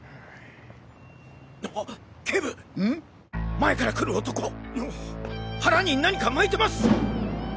前から来る男腹に何か巻いてます！